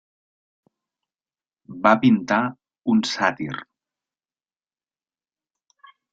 Va pintar un sàtir.